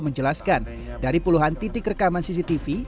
menjelaskan dari puluhan titik rekaman cctv